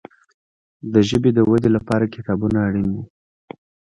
د ژبي د ودي لپاره کتابونه اړین دي.